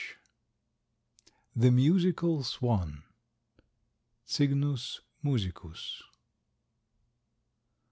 THE MUSICAL SWAN. (_Cygnus musicus.